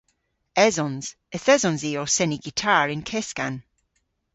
Esons. Yth esons i ow seni gitar y'n keskan.